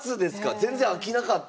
全然飽きなかった？